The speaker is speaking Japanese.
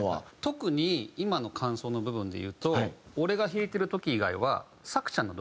特に今の間奏の部分で言うと俺が弾いてる時以外は。